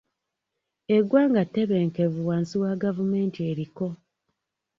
Eggwanga ttebenkevu wansi wa gavumenti eriko.